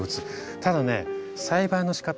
ただね栽培のしかた。